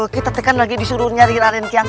kita tekan lagi di suruh nyari raden sanyimas